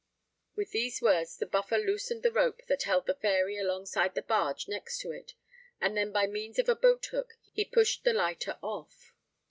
With these words the Buffer loosened the rope that held the Fairy alongside the barge next to it; and then by means of a boat hook he pushed the lighter off.